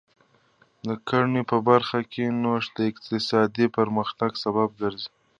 د کرنې په برخه کې نوښت د اقتصادي پرمختګ سبب ګرځي.